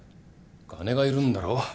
金がいるんだろ？